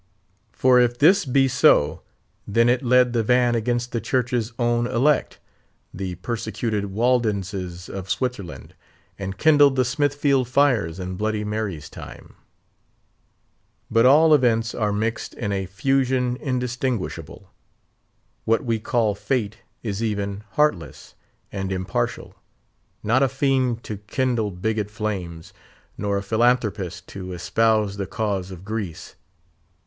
For if this be so, then it led the van against the Church's own elect—the persecuted Waldenses in Switzerland—and kindled the Smithfield fires in bloody Mary's time. But all events are mixed in a fusion indistinguishable. What we call Fate is even, heartless, and impartial; not a fiend to kindle bigot flames, nor a philanthropist to espouse the cause of Greece.